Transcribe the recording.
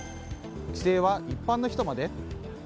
規制は一般の人まで？